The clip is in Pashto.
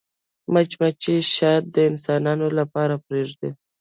مچمچۍ شات د انسانانو لپاره پرېږدي